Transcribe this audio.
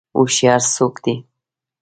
هوشیار څوک دی؟